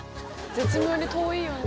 絶妙に遠いよね。